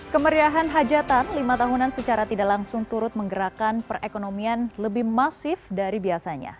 kemeriahan hajatan lima tahunan secara tidak langsung turut menggerakkan perekonomian lebih masif dari biasanya